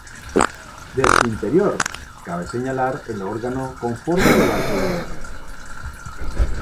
De su interior, cabe señalar el órgano con forma de barco de guerra.